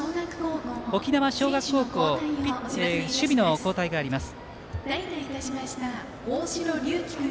沖縄尚学高校守備の交代があります。